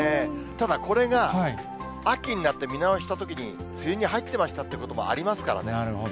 ただ、これが秋になって見直したときに、梅雨に入ってましたということもありますからね。